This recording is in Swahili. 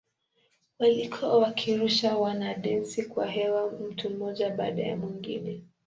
Walikuwa wakiwarusha wanadensi kwa hewa mtu mmoja baada ya mwingine.